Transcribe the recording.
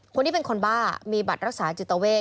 คนที่เป็นคนบ้ามีบัตรรักษาจิตเวท